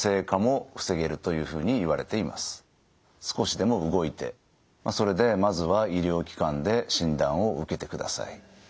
少しでも動いてそれでまずは医療機関で診断を受けてください。